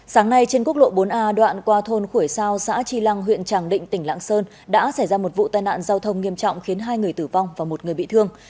sáng nay trên quốc lộ bốn a đoạn qua thôn khủy sao xã tri lăng huyện tràng định tỉnh lạng sơn đã xảy ra một vụ tai nạn giao thông nghiêm trọng khiến hai người tử vong và một người bị thương